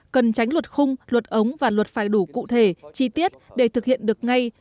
cần tránh luật khung luật ống và luật phải đủ cụ thể chi tiết để thực hiện được ngay